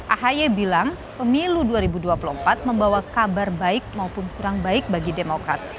ahy bilang pemilu dua ribu dua puluh empat membawa kabar baik maupun kurang baik bagi demokrat